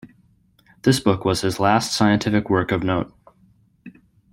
This book was his last scientific work of note.